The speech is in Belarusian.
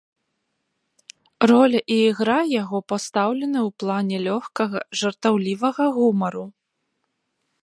Роля і ігра яго пастаўлены ў плане лёгкага, жартаўлівага гумару.